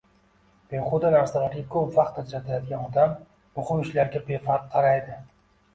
Behuda narsalarga ko‘p vaqt ajratadigan odam muhim ishlarga befarq qaraydi.